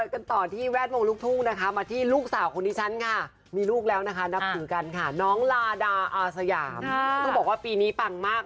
กันต่อที่แวดวงลูกทุ่งนะคะมาที่ลูกสาวคนที่ฉันค่ะมีลูกแล้วนะคะนับถือกันค่ะน้องลาดาอาสยามต้องบอกว่าปีนี้ปังมาก